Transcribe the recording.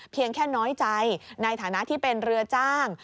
เพียงแค่น้อยใจในฐานะที่เป็นเรือจ้าง